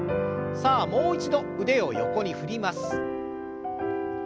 さあもう一度腕を横に振ります。